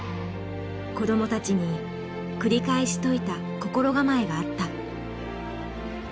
子どもたちに繰り返し説いた心構えがあった。